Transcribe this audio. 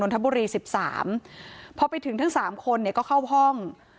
นทบุรีสิบสามพอไปถึงทั้งสามคนเนี่ยก็เข้าห้อง